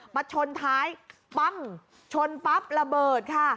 ชนท้ายปั้งชนปั๊บระเบิดค่ะ